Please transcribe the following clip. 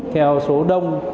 theo số đông